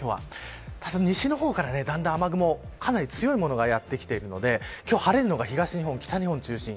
ただ西の方から、だんだん雨雲かなり強いものがやってきているので今日は晴れるのが東日本、北日本が中心。